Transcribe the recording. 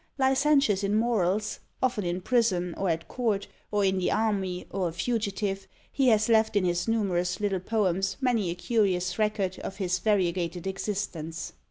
Licentious in morals, often in prison, or at court, or in the army, or a fugitive, he has left in his numerous little poems many a curious record of his variegated existence.